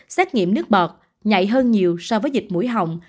xét nghiệm nước bọt nhạy hơn nhiều so với dịch mũi họng